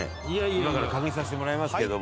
今から確認させてもらいますけども。